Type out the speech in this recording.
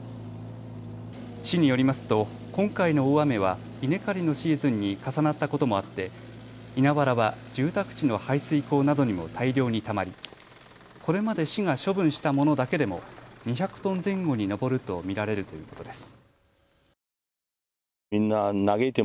市によりますと今回の大雨は稲刈りのシーズンに重なったこともあって稲わらは住宅地の排水溝などにも大量にたまりこれまで市が処分したものだけでも２００トン前後に上ると見られるということです。